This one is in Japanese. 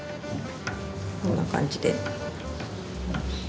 こんな感じで。